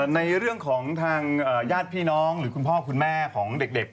ในเรื่องของทางญาติพี่น้องหรือคุณพ่อคุณแม่ของเด็ก